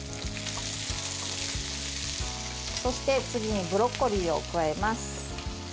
そして、次にブロッコリーを加えます。